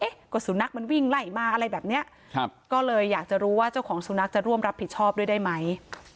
ก็สุนัขมันวิ่งไล่มาอะไรแบบเนี้ยครับก็เลยอยากจะรู้ว่าเจ้าของสุนัขจะร่วมรับผิดชอบด้วยได้ไหม